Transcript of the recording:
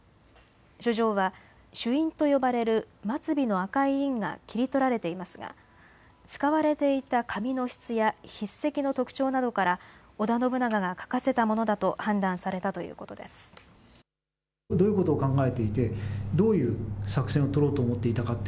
書状は朱印と呼ばれる末尾の赤い印が切り取られていますが使われていた紙の質や筆跡の特徴などから織田信長が書かせたものだと判断されたということです。